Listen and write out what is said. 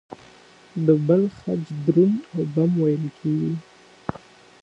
د بل خج دروند او بم وېل کېږي.